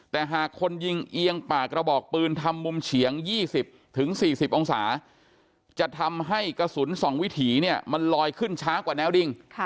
แต่หากคนยิงเอียงปากกระบอกปืนทำมุมเฉียง๒๐๔๐องศาจะทำให้กระสุน๒วิถีเนี่ยมันลอยขึ้นช้ากว่าแนวดิ่ง